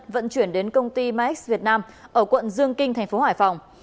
vận chuyển đến công ty max việt nam ở quận dương kinh thành phố hải phòng